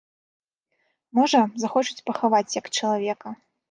Можа, захочуць пахаваць як чалавека.